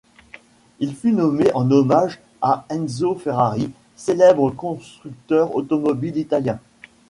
Il fut nommé en hommage à Enzo Ferrari, célèbre constructeur automobile italien.